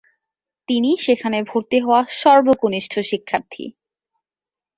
তিনি সেখানে ভর্তি হওয়া সর্বকনিষ্ঠ শিক্ষার্থী।